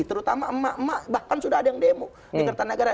terutama emak emak bahkan sudah ada yang demo di kertanegara